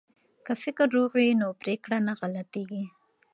که فکر روغ وي نو پریکړه نه غلطیږي.